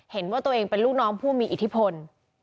เห็นว่าตัวเองเป็นลูกน้องผู้มีอิทธิพล